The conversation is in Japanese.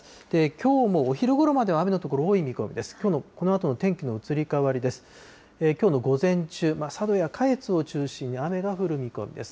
きょうもお昼ごろまでは雨の所多い見込みです。